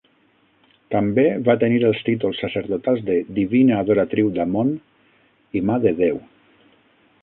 També va tenir els títols sacerdotals de "Divina adoratriu d'Amon" i "Mà de Déu".